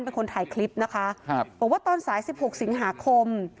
เป็นคนถ่ายคลิปนะคะครับบอกว่าตอนสายสิบหกสิงหาคม